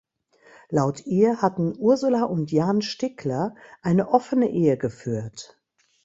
Laut ihr hatten Ursula und Jan Stickler eine offene Ehe geführt.